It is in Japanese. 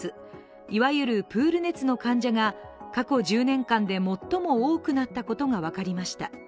いわゆるプール熱の患者が過去１０年間で最も多くなったことが分かりました。